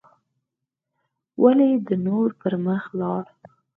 ولې نور پر مخ لاړل